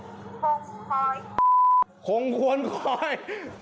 ทะนงถวยงควรคอย